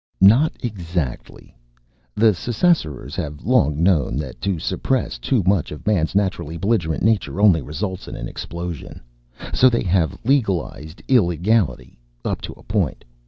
"Not exactly. The Ssassarors have long known that to suppress too much of Man's naturally belligerent nature only results in an explosion. So they have legalized illegality up to a point.